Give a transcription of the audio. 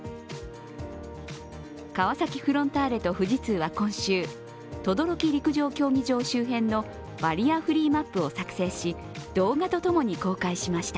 川崎フロンターレと富士通は今週、等々力陸上競技場周辺のバリアフリーマップを作成し動画とともに公開しました。